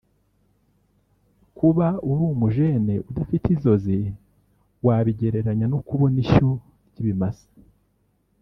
kuba uri umu jeune udafite inzozi wabigereranya no kubona ishyo ry’ibimasa